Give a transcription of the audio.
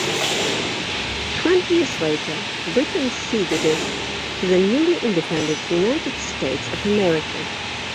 Twenty years later, Britain ceded it to the newly independent United States of America.